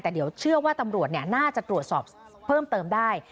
แต่เดี๋ยวเชื่อว่าตำรวจน่าจะตรวจสอบเพิ่มเติมได้